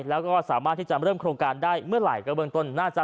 แล้วก็สามารถที่จะเริ่มโครงการได้เมื่อไหร่ก็เบื้องต้นน่าจะ